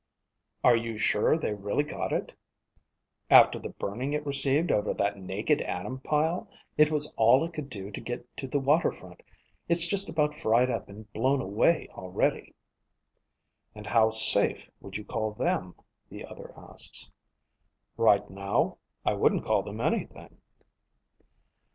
"_ "Are you sure they really got it?" _"After the burning it received over that naked atom pile? It was all it could do to get to the waterfront. It's just about fried up and blown away already."_ "And how safe would you call them?" the other asks. _"Right now? I wouldn't call them anything."